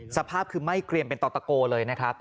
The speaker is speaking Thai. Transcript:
สภาพคือไหม้เกรียมเป็นต่อตะโกเลยนะครับ